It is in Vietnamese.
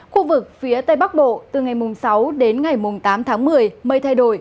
khu vực phía tây bắc bộ từ ngày sáu đến ngày tám tháng một mươi mây thay đổi